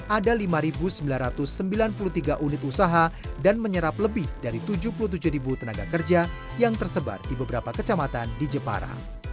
ada lima sembilan ratus sembilan puluh tiga unit usaha dan menyerap lebih dari tujuh puluh tujuh tenaga kerja yang tersebar di beberapa kecamatan di jepara